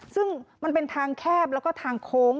ซึ่งมันเป็นทางแคบแล้วก็ทางโค้ง